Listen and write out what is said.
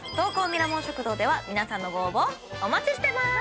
ミラモン食堂では皆さんのご応募お待ちしてまーす！